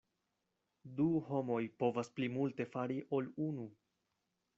Du homoj povas pli multe fari ol unu.